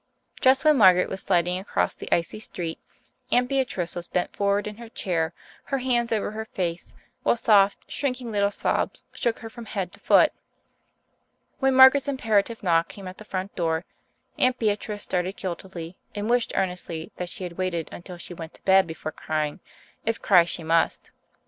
Just when Margaret was sliding across the icy street Aunt Beatrice was bent forward in her chair, her hands over her face, while soft, shrinking little sobs shook her from head to foot. When Margaret's imperative knock came at the front door, Aunt Beatrice started guiltily and wished earnestly that she had waited until she went to bed before crying, if cry she must.